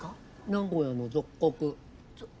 名古屋の属国。ぞ。